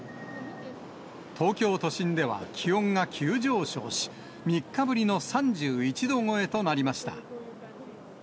東京都心では気温が急上昇し、３日ぶりの３１度超えとなりました。